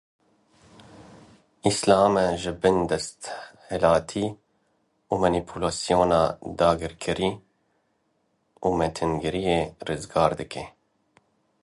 Îslamê ji bin desthilatî û manîpulasyona dagirkerî û mêtingeriyê rizgar dike